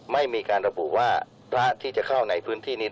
พระเจ้าของพระดับมึดไม่เคยเค้าในพื้นที่นี้ได้